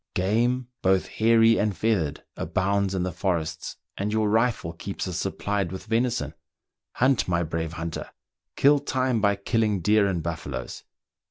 ^ Game, both hairy and feathered, abounds in the forests, and your rifle keeps us supplied with venison. Hunt, my brave hunter ! kill time by killing deer and buffaloes